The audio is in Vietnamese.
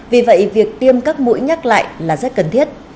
vì vậy việc tiêm các mũi nhắc lại là rất cần thiết